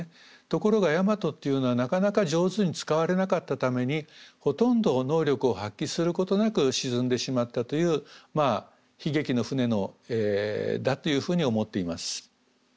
ところが大和っていうのはなかなか上手に使われなかったためにほとんど能力を発揮することなく沈んでしまったという悲劇の船だというふうに思っています。